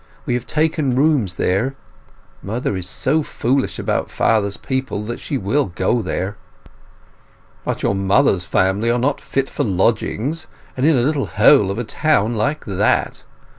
We have taken rooms there. Mother is so foolish about father's people that she will go there." "But your mother's family are not fit for lodgings, and in a little hole of a town like that.